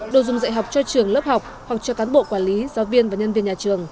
đồ dùng dạy học cho trường lớp học hoặc cho cán bộ quản lý giáo viên và nhân viên nhà trường